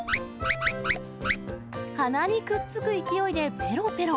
鼻にくっつく勢いでぺろぺろ。